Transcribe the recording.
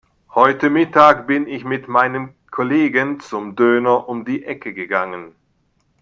Heute Mittag bin ich mit meinen Kollegen zum Döner um die Ecke gegangen.